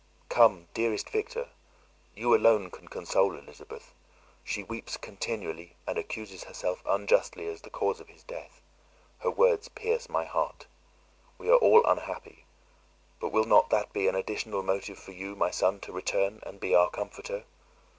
"Come, dearest Victor; you alone can console Elizabeth. She weeps continually, and accuses herself unjustly as the cause of his death; her words pierce my heart. We are all unhappy; but will not that be an additional motive for you, my son, to return and be our comforter?